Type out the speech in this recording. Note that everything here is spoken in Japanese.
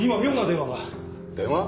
電話？